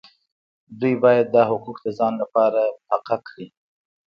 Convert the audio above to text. دوی باید دا حقوق د ځان لپاره محقق کړي.